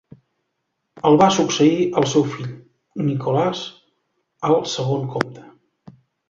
El va succeir el seu fill, Nicholas, el segon comte.